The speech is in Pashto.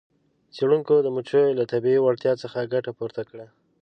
څیړونکو د مچیو له طبیعي وړتیا څخه ګټه پورته کړه.